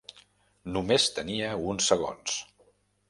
Només tenia uns segons.